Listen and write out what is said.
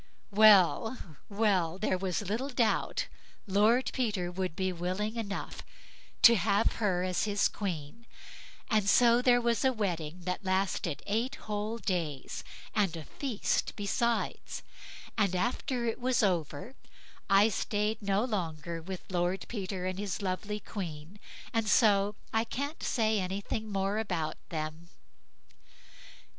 Well, well; there was little doubt Lord Peter would be willing enough to have her as his queen, and so there was a wedding that lasted eight whole days, and a feast besides; and after it was over, I stayed no longer with Lord Peter and his lovely queen, and so I can't say anything more about them.